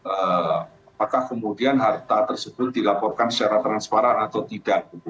apakah kemudian harta tersebut dilaporkan secara transparan atau tidak